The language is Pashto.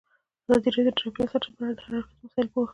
ازادي راډیو د چاپیریال ساتنه په اړه د هر اړخیزو مسایلو پوښښ کړی.